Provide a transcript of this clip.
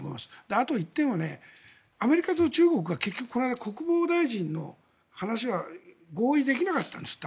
あと、１点はアメリカと中国が結局この間、国防大臣の話は合意できなかったんです。